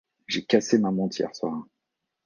J'ai cassé ma montre hier soir.